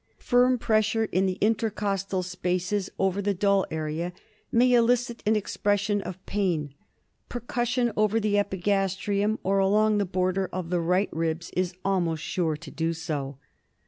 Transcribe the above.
Firm pressure in the intercostal spaces over the dull area may elicit an expression of pain ; percussion over the epigastrium or along the border of the right ribs is almost sure to do so.